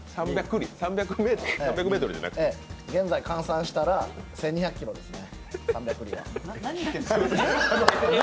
現在換算したら１２００ｋｍですね。